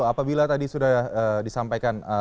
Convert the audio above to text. apabila tadi sudah disampaikan